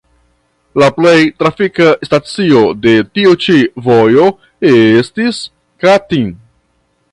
La plej tragika stacio de tiu ĉi vojo estis Katin.